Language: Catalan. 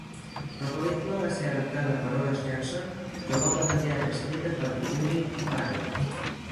La pel·lícula va ser adaptada per Horace Jackson de l'obra de teatre escrita per Philip Barry.